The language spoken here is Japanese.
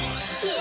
え？